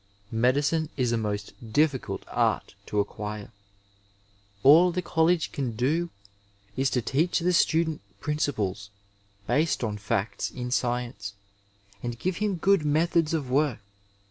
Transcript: Medicine is a most difficult art to ac quire. All the college can do is to teach the student principles, based on facts in science, and give him good methods of work.